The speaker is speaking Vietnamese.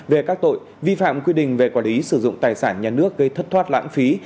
về các tội vi phạm quy định về quản lý sử dụng tài sản nhà nước gây thất thoát lãng phí